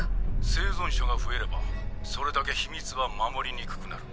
生存者が増えればそれだけ秘密は守りにくくなる。